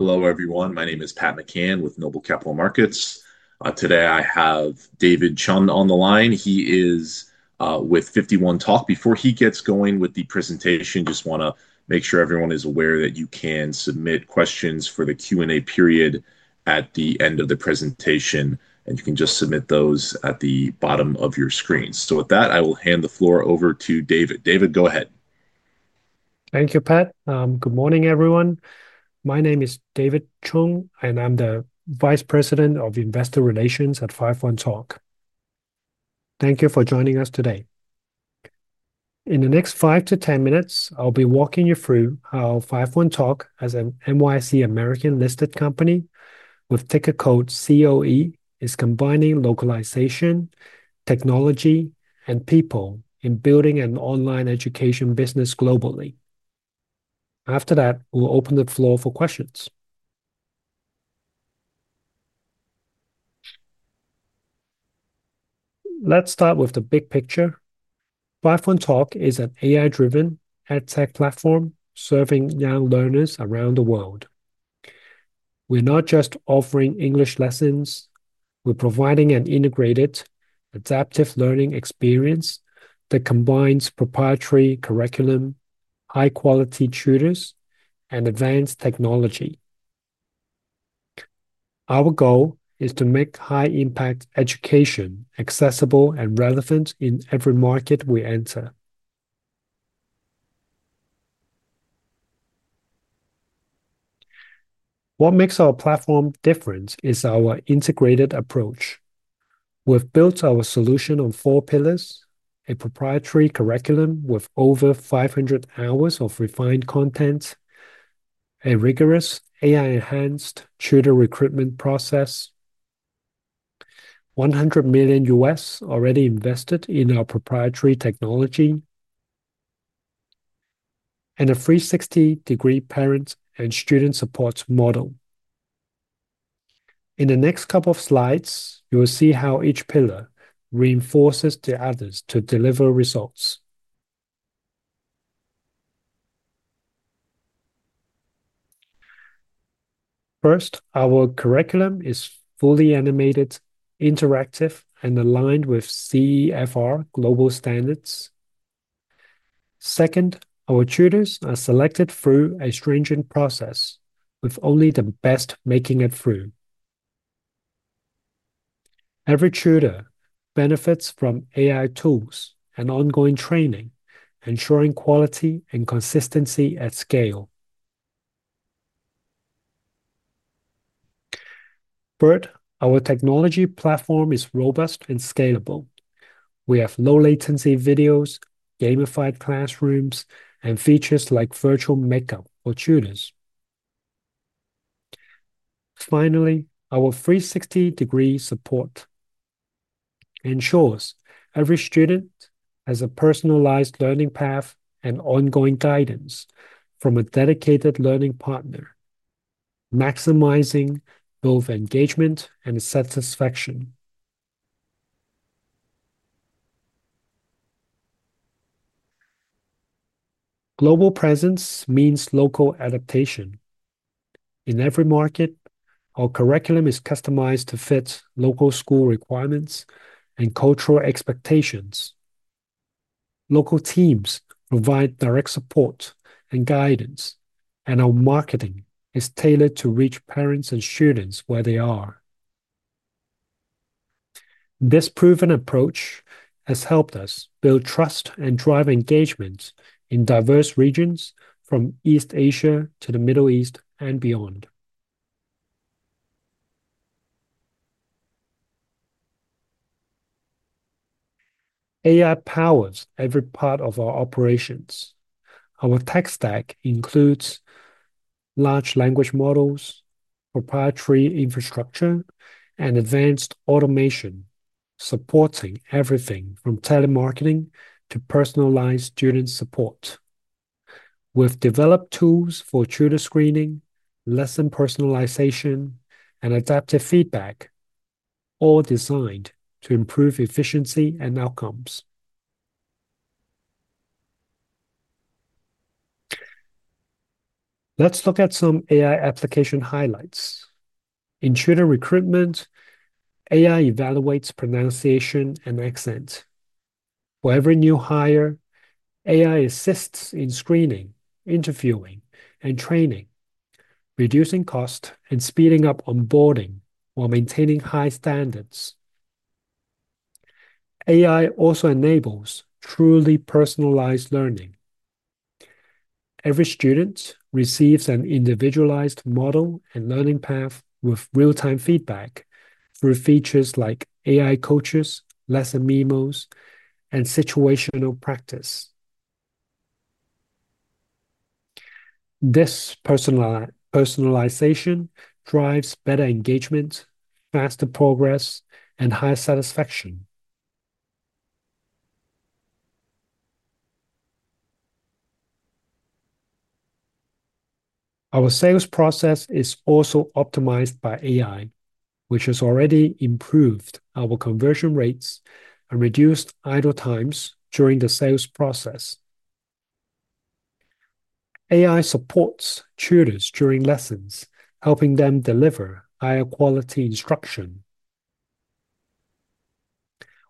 Hello, everyone. My name is Pat McCann with NOBLE Capital Markets. Today I have David Chung on the line. He is with 51Talk. Before he gets going with the presentation, I just want to make sure everyone is aware that you can submit questions for the Q&A period at the end of the presentation. You can just submit those at the bottom of your screen. With that, I will hand the floor over to David. David, go ahead. Thank you, Pat. Good morning, everyone. My name is David Chung, and I'm the Vice President of Investor Relations at 51Talk. Thank you for joining us today. In the next 5-10 minutes, I'll be walking you through how 51Talk as a NYSE American listed company with ticker code COE is combining localization, technology, and people in building an online education business globally. After that, we'll open the floor for questions. Let's start with the big picture. 51Talk is an AI-driven edtech platform serving young learners around the world. We're not just offering English lessons; we're providing an integrated adaptive learning experience that combines proprietary curriculum, high-quality tutors, and advanced technology. Our goal is to make high-impact education accessible and relevant in every market we enter. What makes our platform different is our integrated approach. We've built our solution on four pillars: a proprietary curriculum with over 500 hours of refined content, a rigorous AI-enhanced tutor recruitment process, $100 million already invested in our proprietary technology, and a 360-degree parent and student support model. In the next couple of slides, you'll see how each pillar reinforces the others to deliver results. First, our curriculum is fully animated, interactive, and aligned with CEFR global standards. Second, our tutors are selected through a stringent process, with only the best making it through. Every tutor benefits from AI tools and ongoing training, ensuring quality and consistency at scale. Third, our technology platform is robust and scalable. We have low-latency videos, gamified classrooms, and features like virtual makeup for tutors. Finally, our 360-degree support ensures every student has a personalized learning path and ongoing guidance from a dedicated learning partner, maximizing both engagement and satisfaction. Global presence means local adaptation. In every market, our curriculum is customized to fit local school requirements and cultural expectations. Local teams provide direct support and guidance, and our marketing is tailored to reach parents and students where they are. This proven approach has helped us build trust and drive engagement in diverse regions from East Asia to the Middle East and beyond. AI powers every part of our operations. Our technology stack includes large language models, proprietary infrastructure, and advanced automation, supporting everything from telemarketing to personalized student support. We've developed tools for tutor screening, lesson personalization, and adaptive feedback, all designed to improve efficiency and outcomes. Let's look at some AI application highlights. In tutor recruitment, AI evaluates pronunciation and accent. For every new hire, AI assists in screening, interviewing, and training, reducing cost and speeding up onboarding while maintaining high standards. AI also enables truly personalized learning. Every student receives an individualized model and learning path with real-time feedback through features like AI coaches, lesson memos, and situational practice. This personalization drives better engagement, faster progress, and high satisfaction. Our sales process is also optimized by AI, which has already improved our conversion rates and reduced idle times during the sales process. AI supports tutors during lessons, helping them deliver higher-quality instruction.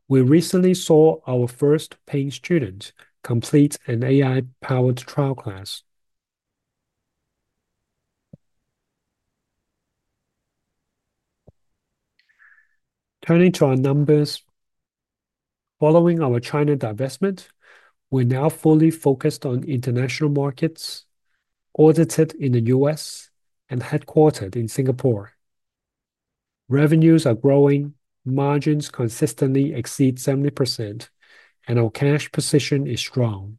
We recently saw our first paying student complete an AI-powered trial class. Turning to our numbers, following our China divestment, we're now fully focused on international markets, audited in the U.S., and headquartered in Singapore. Revenues are growing, margins consistently exceed 70%, and our cash position is strong.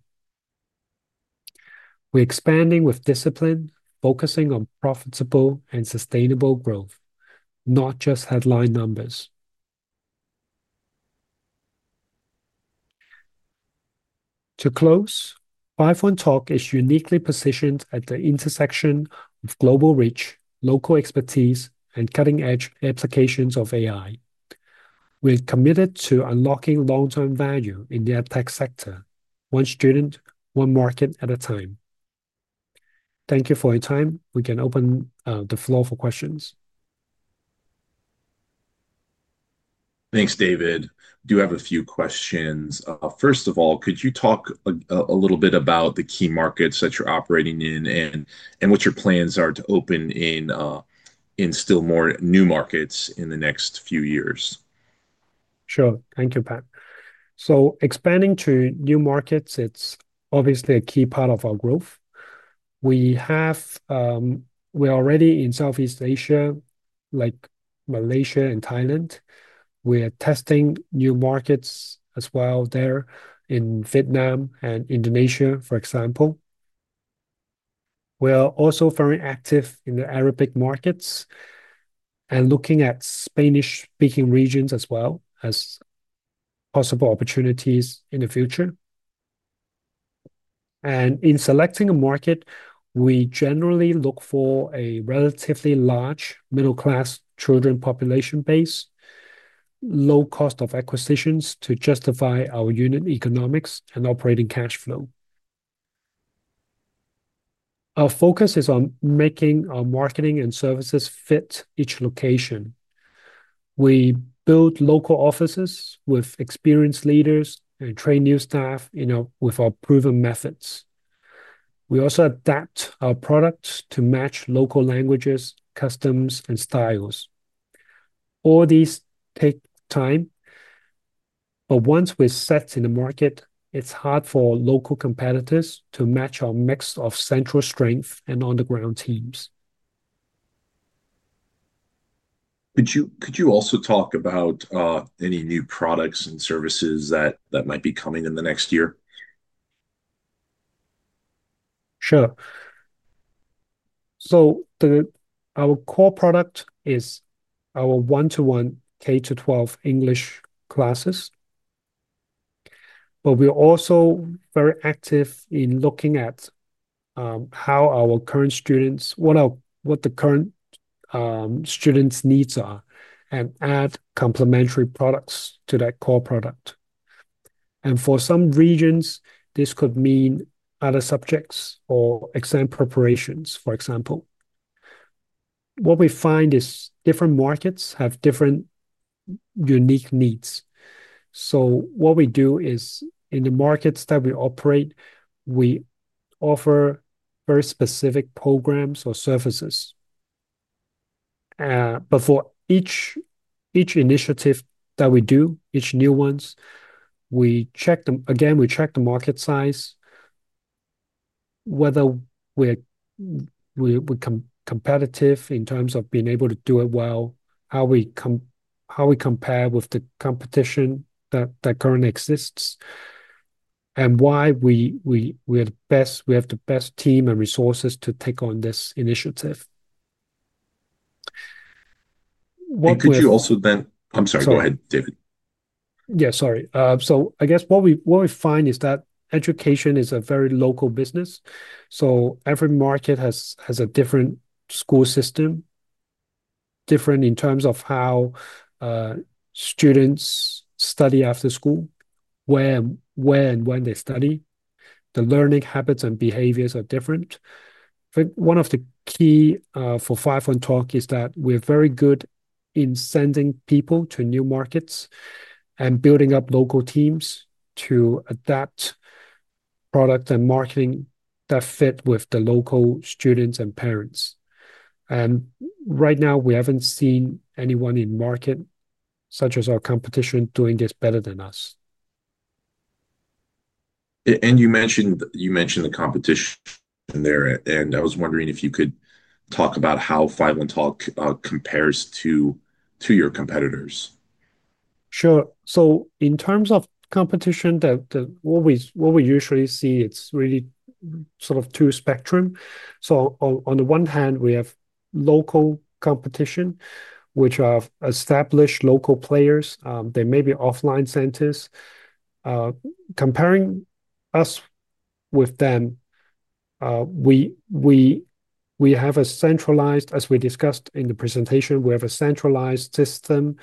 We're expanding with discipline, focusing on profitable and sustainable growth, not just headline numbers. To close, 51Talk is uniquely positioned at the intersection of global reach, local expertise, and cutting-edge applications of AI. We're committed to unlocking long-term value in the edtech sector, one student, one market at a time. Thank you for your time. We can open the floor for questions. Thanks, David. I do have a few questions. First of all, could you talk a little bit about the key markets that you're operating in and what your plans are to open in still more new markets in the next few years? Thank you, Pat. Expanding to new markets is obviously a key part of our growth. We are already in Southeast Asia, like Malaysia and Thailand. We're testing new markets as well there in Vietnam and Indonesia, for example. We're also very active in the Arabic markets and looking at Spanish-speaking regions as possible opportunities in the future. In selecting a market, we generally look for a relatively large middle-class children population base, low cost of acquisitions to justify our unit economics and operating cash flow. Our focus is on making our marketing and services fit each location. We build local offices with experienced leaders and train new staff with our proven methods. We also adapt our products to match local languages, customs, and styles. All these take time, but once we're set in the market, it's hard for local competitors to match our mix of central strength and on-the-ground teams. Could you also talk about any new products and services that might be coming in the next year? Sure. Our core product is our one-to-one K-12 English classes, but we're also very active in looking at how our current students, what the current students' needs are, and add complementary products to that core product. For some regions, this could mean other subjects or exam preparations, for example. What we find is different markets have different unique needs. In the markets that we operate, we offer very specific programs or services. For each initiative that we do, each new one, we check them again. We check the market size, whether we're competitive in terms of being able to do it well, how we compare with the competition that currently exists, and why we are the best. We have the best team and resources to take on this initiative. Could you also, go ahead, David. Sorry. I guess what we find is that education is a very local business. Every market has a different school system, different in terms of how students study after school, where and when they study. The learning habits and behaviors are different. I think one of the keys for 51Talk is that we're very good in sending people to new markets and building up local teams to adapt products and marketing that fit with the local students and parents. Right now, we haven't seen anyone in the market such as our competition doing this better than us. You mentioned the competition there, and I was wondering if you could talk about how 51Talk compares to your competitors. Sure. In terms of competition, what we usually see, it's really sort of two spectrums. On the one hand, we have local competition, which are established local players. They may be offline centers comparing us with them. As we discussed in the presentation, we have a centralized system.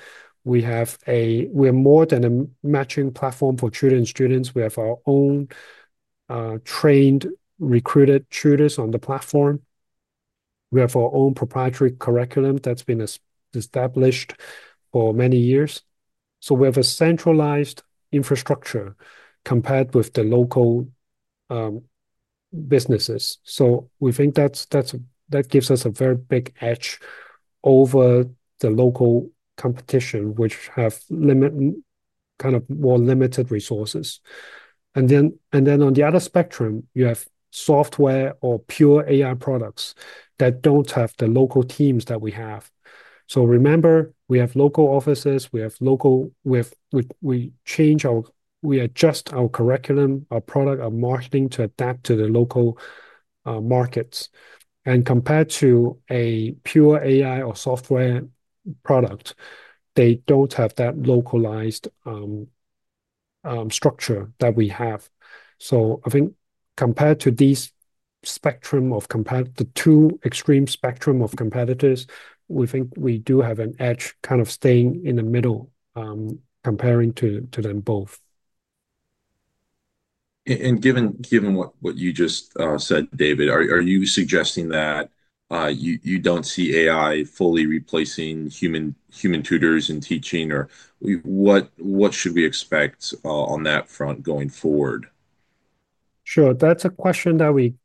We are more than a matching platform for tutoring students. We have our own trained, recruited tutors on the platform. We have our own proprietary curriculum that's been established for many years. We have a centralized infrastructure compared with the local businesses. We think that gives us a very big edge over the local competition, which has kind of more limited resources. On the other spectrum, you have software or pure AI products that don't have the local teams that we have. Remember, we have local offices. We change our—we adjust our curriculum, our product, our marketing to adapt to the local markets. Compared to a pure AI or software product, they don't have that localized structure that we have. I think compared to these spectrums, compared to the two extreme spectrums of competitors, we think we do have an edge kind of staying in the middle comparing to them both. Given what you just said, David, are you suggesting that you don't see AI fully replacing human tutors in teaching, or what should we expect on that front going forward? Sure. That's a question that we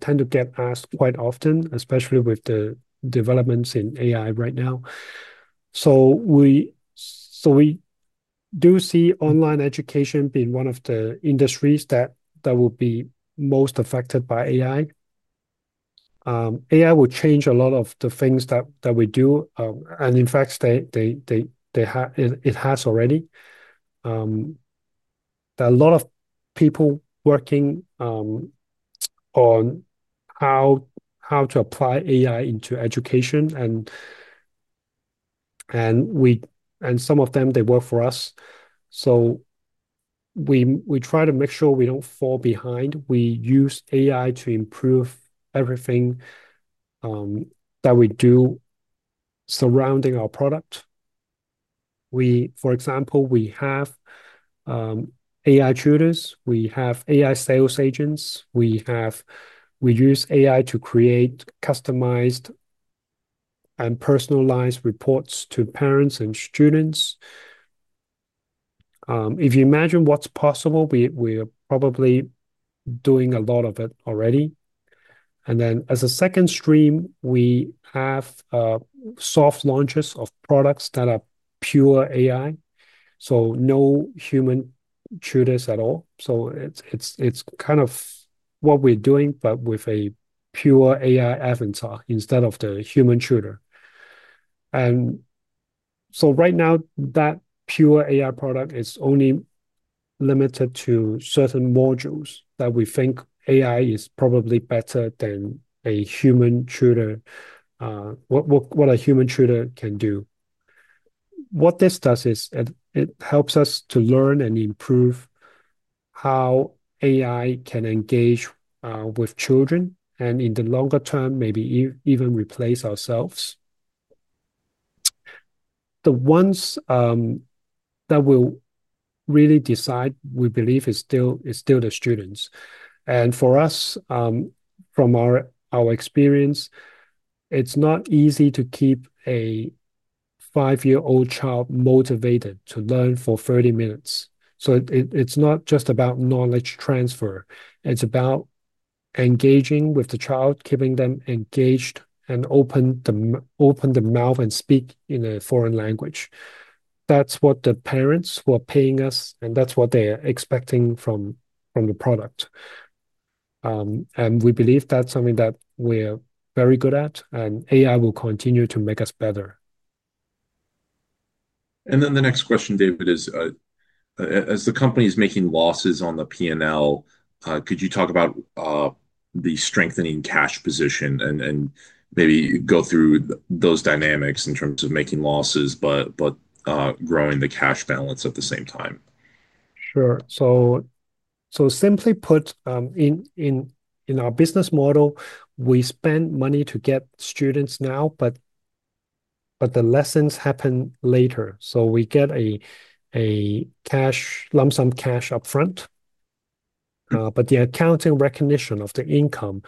tend to get asked quite often, especially with the developments in AI right now. We do see online education being one of the industries that will be most affected by AI. AI will change a lot of the things that we do, and in fact, it has already. There are a lot of people working on how to apply AI into education, and some of them, they work for us. We try to make sure we don't fall behind. We use AI to improve everything that we do surrounding our product. For example, we have AI tutors, we have AI sales agents, we use AI to create customized and personalized reports to parents and students. If you imagine what's possible, we are probably doing a lot of it already. As a second stream, we have soft launches of products that are pure AI, so no human tutors at all. It's kind of what we're doing, but with a pure AI avatar instead of the human tutor. Right now, that pure AI product is only limited to certain modules that we think AI is probably better than a human tutor, what a human tutor can do. What this does is it helps us to learn and improve how AI can engage with children, and in the longer term, maybe even replace ourselves. The ones that will really decide, we believe, is still the students. For us, from our experience, it's not easy to keep a five-year-old child motivated to learn for 30 minutes. It's not just about knowledge transfer. It's about engaging with the child, keeping them engaged, and open the mouth and speak in a foreign language. That's what the parents were paying us, and that's what they are expecting from the product. We believe that's something that we're very good at, and AI will continue to make us better. The next question, David, is as the company is making losses on the P&L, could you talk about the strengthening cash position and maybe go through those dynamics in terms of making losses but growing the cash balance at the same time? Sure. Simply put, in our business model, we spend money to get students now, but the lessons happen later. We get a lump sum cash upfront, but the accounting recognition of the income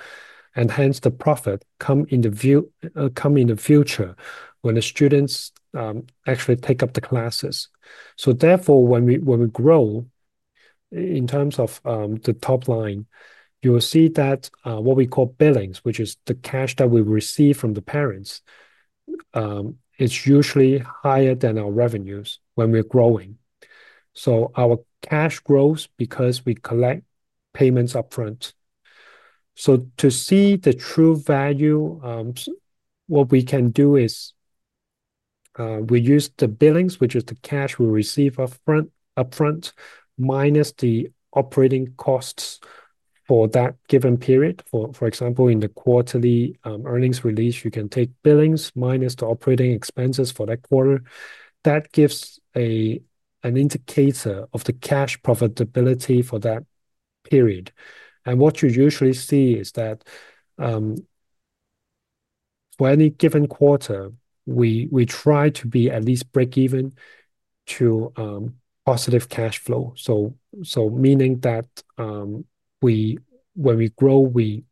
and hence the profit come in the future when the students actually take up the classes. Therefore, when we grow in terms of the top line, you will see that what we call billings, which is the cash that we receive from the parents, is usually higher than our revenues when we're growing. Our cash grows because we collect payments upfront. To see the true value, what we can do is we use the billings, which is the cash we receive upfront, minus the operating costs for that given period. For example, in the quarterly earnings release, you can take billings minus the operating expenses for that quarter. That gives an indicator of the cash profitability for that period. What you usually see is that for any given quarter, we try to be at least break-even to positive cash flow, meaning that when we grow, we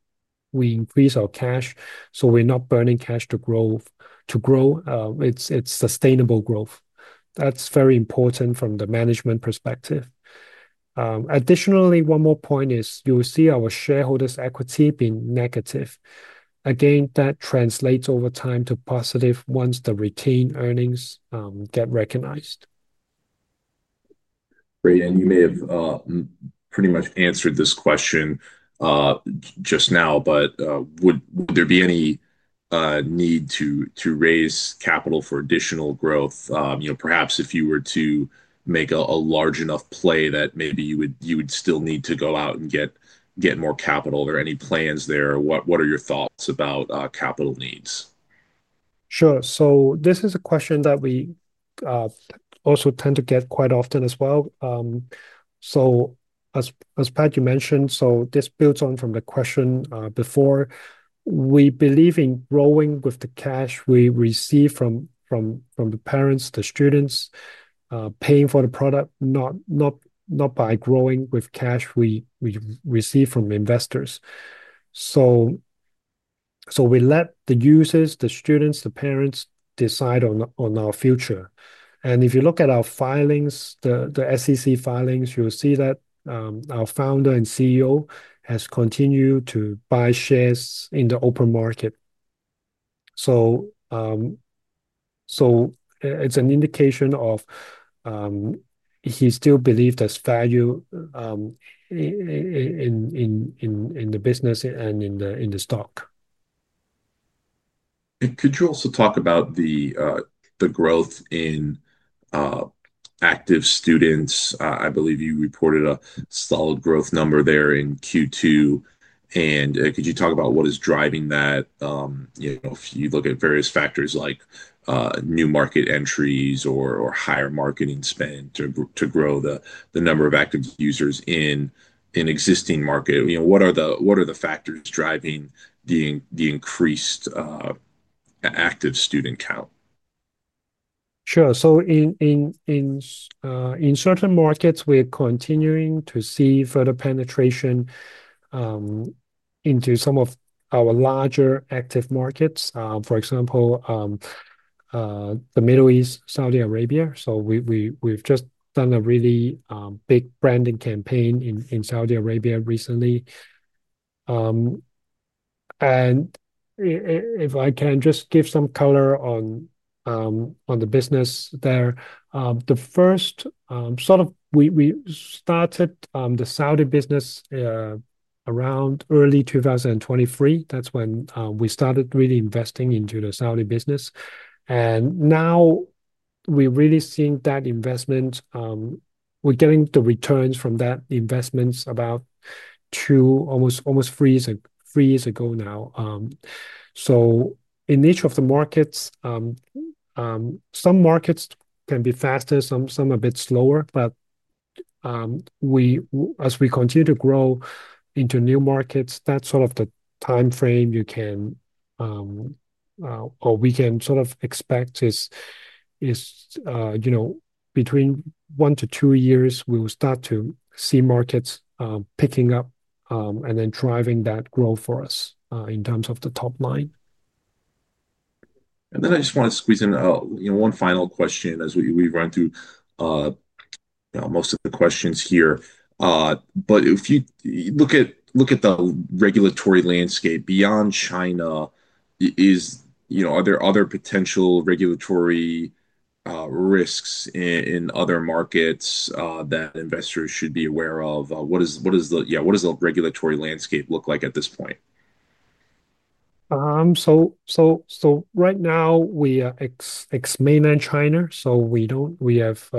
increase our cash so we're not burning cash to grow. It's sustainable growth. That's very important from the management perspective. Additionally, one more point is you will see our shareholders' equity being negative. Again, that translates over time to positive once the retained earnings get recognized. Great. You may have pretty much answered this question just now, but would there be any need to raise capital for additional growth? Perhaps if you were to make a large enough play that maybe you would still need to go out and get more capital. Are there any plans there? What are your thoughts about capital needs? Sure. This is a question that we also tend to get quite often as well. As Pat mentioned, this builds on from the question before. We believe in growing with the cash we receive from the parents, the students paying for the product, not by growing with cash we receive from investors. We let the users, the students, the parents decide on our future. If you look at our filings, the SEC filings, you'll see that our Founder and CEO has continued to buy shares in the open market. It's an indication that he still believes there's value in the business and in the stock. Could you also talk about the growth in active students? I believe you reported a solid growth number there in Q2. Could you talk about what is driving that? If you look at various factors like new market entries or higher marketing spend to grow the number of active users in an existing market, what are the factors driving the increased active student count? Sure. In certain markets, we're continuing to see further penetration into some of our larger active markets. For example, the Middle East, Saudi Arabia. We've just done a really big branding campaign in Saudi Arabia recently. If I can just give some color on the business there, we started the Saudi business around early 2023. That's when we started really investing into the Saudi business. Now we're really seeing that investment. We're getting the returns from that investment about almost three years ago now. In each of the markets, some markets can be faster, some a bit slower. As we continue to grow into new markets, that's sort of the timeframe you can, or we can sort of expect is, you know, between one to two years, we will start to see markets picking up and then driving that growth for us in terms of the top line. I just want to squeeze in one final question as we run through most of the questions here. If you look at the regulatory landscape beyond China, are there other potential regulatory risks in other markets that investors should be aware of? What does the regulatory landscape look like at this point? Right now, we are ex-Mainland China. We have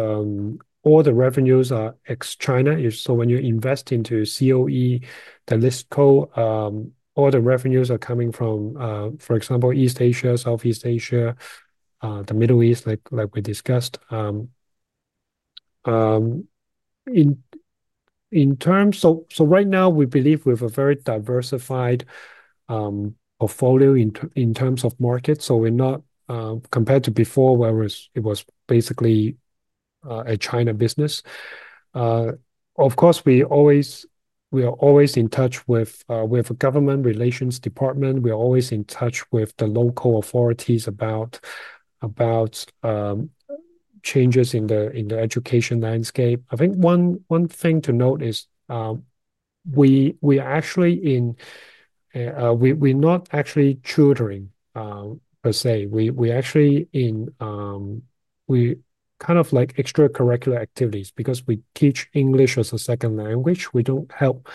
all the revenues ex-China. When you invest into COE, the list code, all the revenues are coming from, for example, East Asia, Southeast Asia, the Middle East, like we discussed. We believe we have a very diversified portfolio in terms of markets. We're not compared to before, where it was basically a China business. Of course, we are always in touch with the government relations department. We're always in touch with the local authorities about changes in the education landscape. I think one thing to note is we are actually in, we're not actually tutoring per se. We're actually in kind of like extracurricular activities because we teach English as a second language. We don't help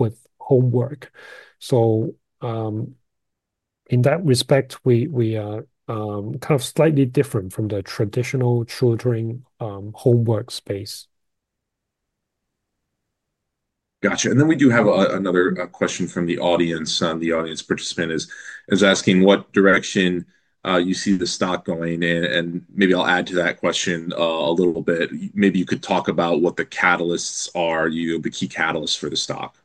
with homework. In that respect, we are kind of slightly different from the traditional tutoring homework space. Gotcha. We do have another question from the audience. The audience participant is asking what direction you see the stock going in. Maybe I'll add to that question a little bit. Maybe you could talk about what the catalysts are, the key catalysts for the stock.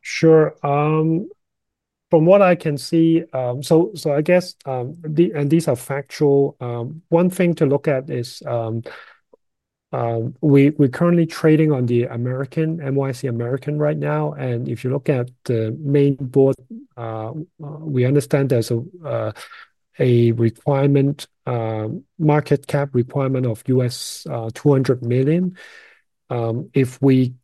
Sure. From what I can see, I guess, and these are factual, one thing to look at is we're currently trading on the American NYSE American right now. If you look at the main board, we understand there's a requirement, market cap requirement of $200 million. If we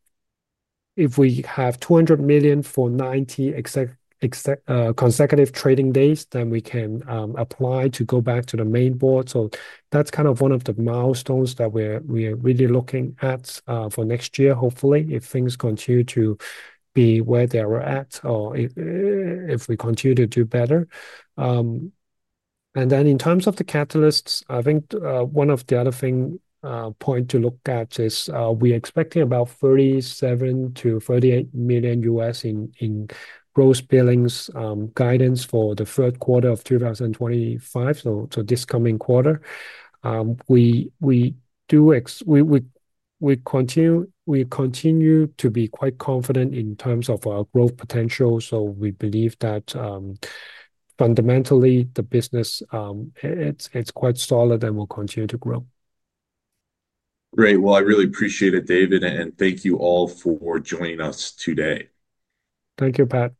have $200 million for 90 consecutive trading days, then we can apply to go back to the main board. That's kind of one of the milestones that we're really looking at for next year, hopefully, if things continue to be where they are at or if we continue to do better. In terms of the catalysts, I think one of the other things to look at is we expect about $37 million-$38 million in gross billings guidance for the third quarter of 2025. This coming quarter, we continue to be quite confident in terms of our growth potential. We believe that fundamentally the business is quite solid and will continue to grow. Great. I really appreciate it, David, and thank you all for joining us today. Thank you, Pat. Thank you.